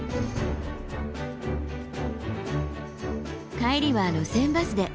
帰りは路線バスで。